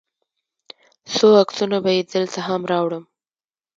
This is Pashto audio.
څو عکسونه به یې دلته هم راوړم.